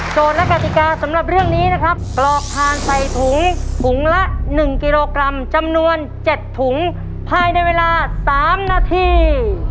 และกติกาสำหรับเรื่องนี้นะครับกรอกทานใส่ถุงถุงละ๑กิโลกรัมจำนวน๗ถุงภายในเวลา๓นาที